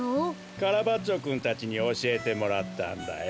カラバッチョくんたちにおしえてもらったんだよ。